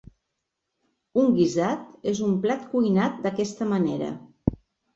Un guisat és un plat cuinat d'aquesta manera.